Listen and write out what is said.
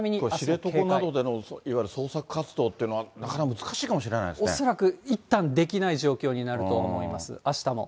これ、知床などでの捜索活動っていうのは、なかなか難しいか恐らく、いったんできない状況になると思います、あしたも。